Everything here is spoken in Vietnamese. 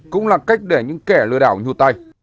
cũng là cách để những kẻ lừa đảo nhùt tay